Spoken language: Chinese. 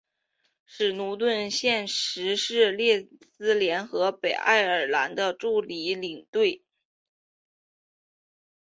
史奴顿现时是列斯联和北爱尔兰的助理领队。